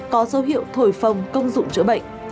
có dấu hiệu thổi phong công dụng chữa bệnh